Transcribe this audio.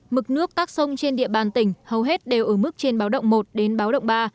mực nước các sông trên địa bàn tỉnh hầu hết đều ở mức trên báo động một đến báo động ba